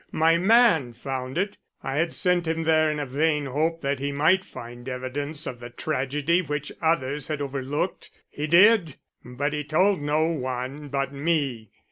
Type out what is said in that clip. My man found it; I had sent him there in a vain hope that he might find evidence of the tragedy which others had overlooked. He did, but he told no one but me.